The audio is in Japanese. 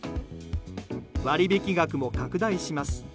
割引額も拡大します。